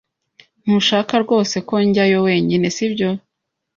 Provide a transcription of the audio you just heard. Ntushaka rwose ko njyayo wenyine, sibyo?